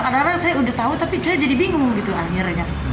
karena saya udah tahu tapi saya jadi bingung gitu akhirnya